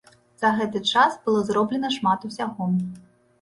За гэты час было зроблена шмат усяго.